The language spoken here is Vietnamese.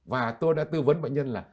và tôi đã tư vấn bệnh nhân là